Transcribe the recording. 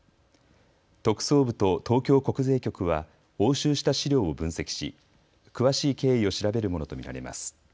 特捜部と東京国税局は押収した資料を分析し詳しい経緯を調べるものと見られます。